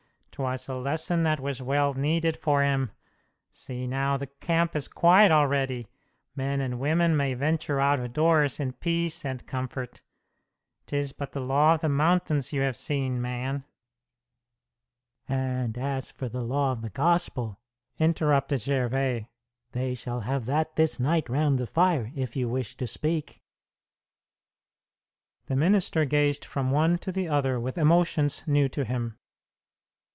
'Twas a lesson that was well needed for him. See now, the camp is quiet already. Men and women may venture out of doors in peace and comfort. 'Tis but the law of the mountains you have seen, man." "And as for the law of the Gospel," interrupted Gervais, "they shall have that this night round the fire, if you wish to speak." The minister gazed from one to the other with emotions new to him.